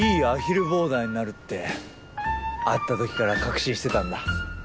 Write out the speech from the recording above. アヒルボーダーになるって会った時から確信してたんだ。